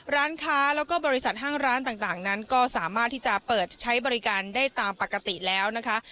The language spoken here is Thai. ร้านค้าแล้วก็บริษัทห้างร้านต่างนั้นก็สามารถที่จะเปิดใช้บริการได้ตามปกติแล้วนะคะ